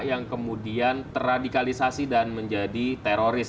yang kemudian terradikalisasi dan menjadi teroris